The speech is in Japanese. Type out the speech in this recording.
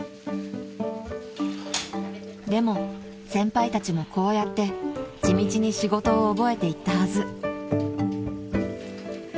［でも先輩たちもこうやって地道に仕事を覚えていったはず］